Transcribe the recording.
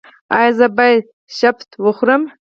ایا زه باید شبت وخورم؟